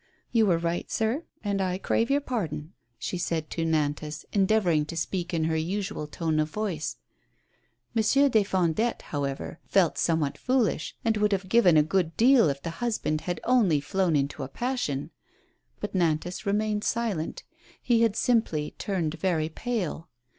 "You were right, sir, and I crave your pardon," she said to Nantas, endeavoring to speak in her usual tone of voice. Monsieur des Fondettes, however, felt somewhat fool ish, and would have given a good deal if the husband had only flown into a passion. But Nantas remained silent. He had simply turned very pale.